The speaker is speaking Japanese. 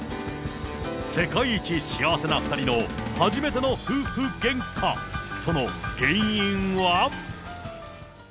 世界一幸せな２人の、初めての夫婦げんか、その原因は？